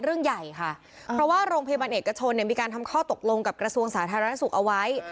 เอกชนมีการทำข้อตกลงกับกระทรวงสาธารณสุขเอาไว้